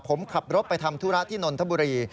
ผมขับรถไปทำธุระที่นนทบุรี